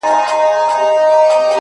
ستا د خولې سا”